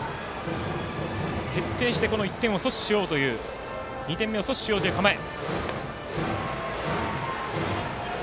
徹底して阻止しようという２点目を阻止しようという構え。